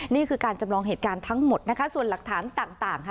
นี่คือการจำลองเหตุการณ์ทั้งหมดนะคะส่วนหลักฐานต่างค่ะ